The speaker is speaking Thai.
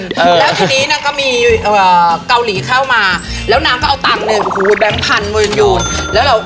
แล้วทีนี้นางก็มีเกาหลีเข้ามาแล้วนางก็เอาตังค์หนึ่งโอ้โหแบมพันมือโยง